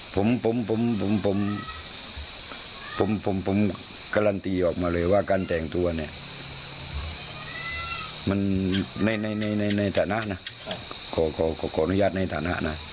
ผมผมผมการันตีออกมาเลยว่าการแต่งตัวเนี่ยมันในในฐานะนะขอขออนุญาตในฐานะนะ